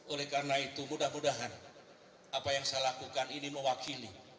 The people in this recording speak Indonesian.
oleh karena itu mudah mudahan apa yang saya lakukan ini mewakili